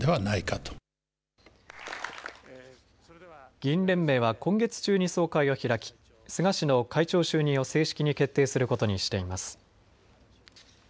議員連盟は今月中に総会を開き菅氏の会長就任を正式に決定することにしています。